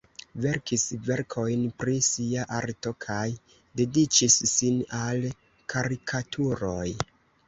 Verkis verkojn pri sia arto kaj dediĉis sin al karikaturoj.